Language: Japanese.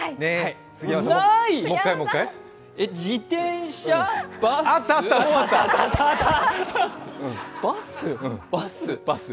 自転車、バス。